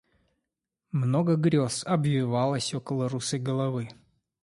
Много грез обвивалось около русой головы.